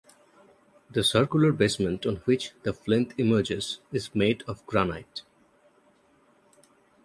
The circular basement on which the plinth emerges is made of granite.